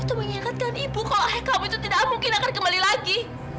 itu mengingatkan ibu kalau ayah kamu itu tidak mungkin akan kembali lagi